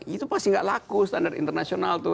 itu pasti nggak laku standar internasional itu